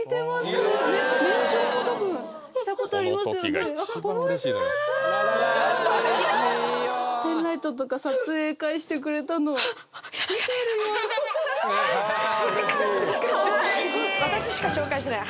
私あのペンライトとか撮影会してくれたの私しか紹介してない